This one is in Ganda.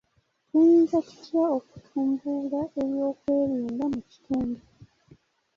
Tuyinza tutya okutumbula eby'okwerinda mu kitundu.